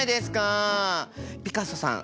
ピカソさん